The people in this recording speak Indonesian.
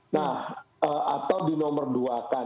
nah atau di nomor dua kan